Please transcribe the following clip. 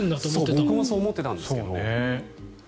僕もそう思っていたんですけどね。